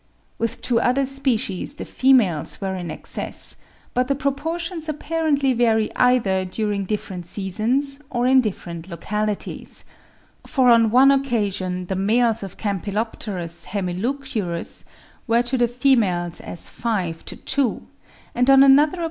With two other species the females were in excess: but the proportions apparently vary either during different seasons or in different localities; for on one occasion the males of Campylopterus hemileucurus were to the females as 5 to 2, and on another occasion (66.